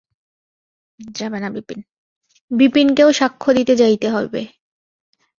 বিপিনকেও সাক্ষ্য দিতে যাইতে হইবে।